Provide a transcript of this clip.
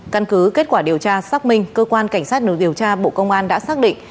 căn cứ kết quả điều tra xác minh cơ quan cảnh sát điều tra bộ công an đã xác định